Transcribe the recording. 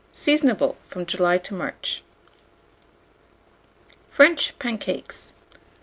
Seasonable from July to March. FRENCH PANCAKES.